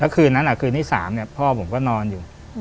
คืนนั้นน่ะคืนนี้สามเนี่ย